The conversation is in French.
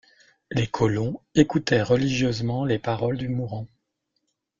Les colons écoutaient religieusement les paroles du mourant.